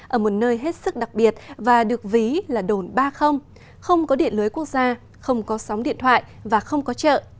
ở một nơi hết sức đặc biệt và được ví là đồn ba không có điện lưới quốc gia không có sóng điện thoại và không có chợ